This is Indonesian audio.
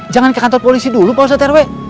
jangan ke kantor polisi dulu pak ustadz herwe